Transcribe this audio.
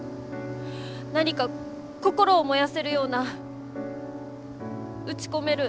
何か心を燃やせるような打ち込める